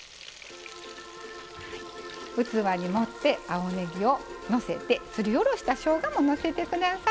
器に盛って青ねぎをのせてすりおろしたしょうがをのせてください。